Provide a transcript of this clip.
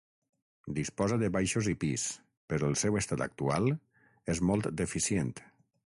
Disposa de baixos i pis, però el seu estat actual és molt deficient.